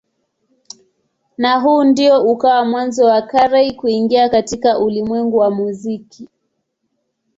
Na huu ndio ukawa mwanzo wa Carey kuingia katika ulimwengu wa muziki.